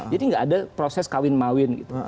jadi nggak ada proses kawin mawin gitu